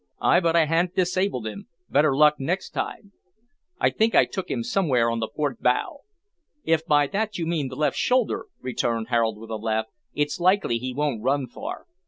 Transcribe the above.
"Ay, but I han't disabled him. Better luck next time. I think I took him somewhere on the port bow." "If by that you mean the left shoulder," returned Harold, with a laugh, "it's likely he won't run far.